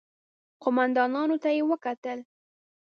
قوماندانانو ته يې وکتل.